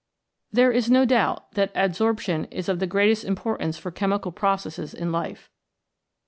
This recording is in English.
There is no doubt that adsorption is of the greatest im portance for chemical processes in life.